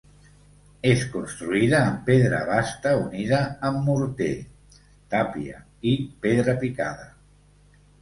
És construïda amb pedra basta unida amb morter, tàpia i pedra picada.